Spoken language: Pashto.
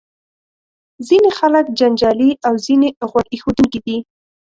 ځینې خلک جنجالي او ځینې غوږ ایښودونکي دي.